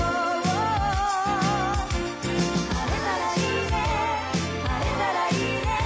「晴れたらいいね晴れたらいいね」